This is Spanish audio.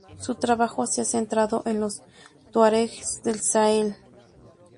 Su trabajo se ha centrado en los tuaregs del Sahel.